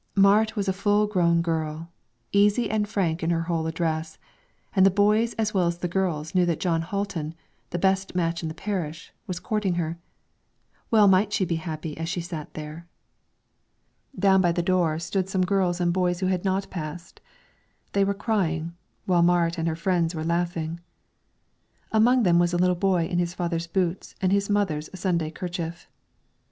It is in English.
Marit was a full grown girl, easy and frank in her whole address, and the boys as well as the girls knew that Jon Hatlen, the best match in the parish, was courting her, well might she be happy as she sat there. Down by the door stood some girls and boys who had not passed; they were crying, while Marit and her friends were laughing; among them was a little boy in his father's boots and his mother's Sunday kerchief.